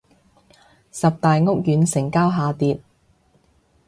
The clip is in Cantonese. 十大屋苑成交下跌